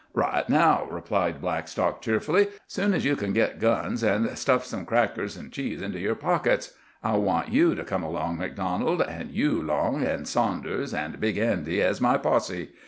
"Right now," replied Blackstock cheerfully, "soon as ye kin git guns and stuff some crackers an' cheese into yer pockets. I'll want you to come along, MacDonald, an' you, Long, an' Saunders, an' Big Andy, as my posse.